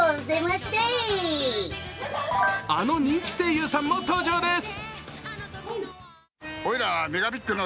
あの人気声優さんも登場です。